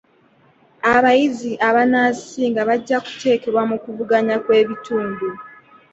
Abayizi abanaasinga bajja kutendekebwa mu kuvuganya kw'ebitundu.